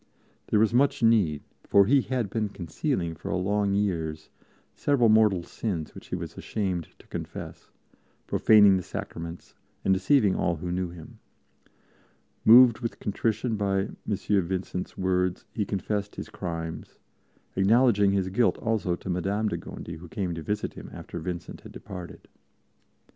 There was much need, for he had been concealing for long years several mortal sins which he was ashamed to confess, profaning the Sacraments and deceiving all who knew him. Moved with contrition by M. Vincent's words, he confessed his crimes, acknowledging his guilt also to Madame de Gondi, who came to visit him after Vincent had departed.